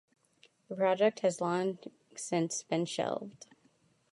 The project has long since been shelved.